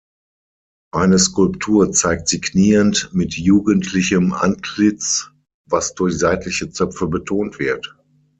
Eine Skulptur zeigt sie kniend mit jugendlichem Antlitz, was durch seitliche Zöpfe betont wird.